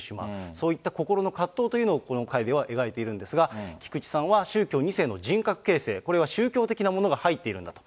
そういった心の葛藤というのをここの回では描いているんですが、菊池さんは宗教２世の人格形成、これは宗教的なものが入っているんだと。